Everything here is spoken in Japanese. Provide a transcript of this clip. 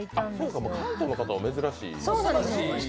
関東の方は珍しい。